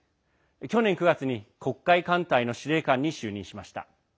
去年９月に黒海艦隊の司令官に就任しました。